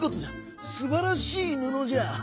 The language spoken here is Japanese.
すばらしいぬのじゃ。